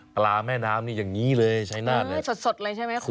แม่น้ำนี่อย่างนี้เลยชัยนาธิสดสดเลยใช่ไหมคุณ